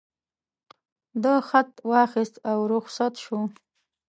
ده خط واخیست او رخصت شو.